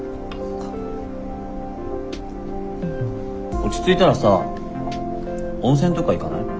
落ち着いたらさ温泉とか行かない？